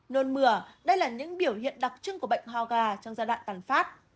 nôn mửa đây là những biểu hiện đặc trưng của bệnh ho gà trong giai đoạn tàn phát